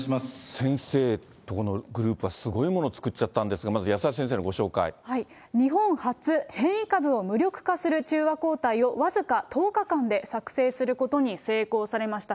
先生のところのグループは、すごいもの作っちゃったんですが、日本初、変異株を無力化する中和抗体を、僅か１０日間で作製することに成功されました。